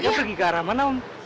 dia pergi ke arah mana om